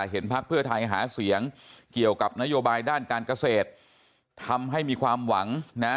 ภักดิ์เพื่อไทยหาเสียงเกี่ยวกับนโยบายด้านการเกษตรทำให้มีความหวังนะ